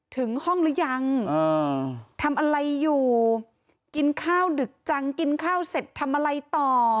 ถึงห้องหรือยังทำอะไรอยู่กินข้าวดึกจังกินข้าวเสร็จทำอะไรต่อ